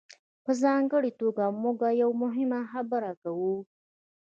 په ځانګړې توګه موږ یوه مهمه خبره کوو.